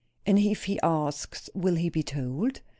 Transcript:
"And if he asks, will he be told?"